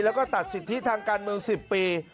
และตัดสิทธิภาคการเมือง๑๐ปี